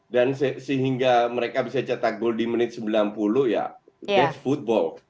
dan sehingga mereka bisa catat gol di menit sembilan puluh ya that's football